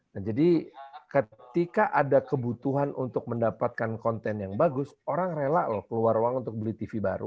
nah jadi ketika ada kebutuhan untuk mendapatkan konten yang bagus orang rela loh keluar uang untuk beli tv baru